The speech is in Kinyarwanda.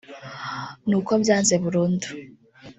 ni uko byanze burundu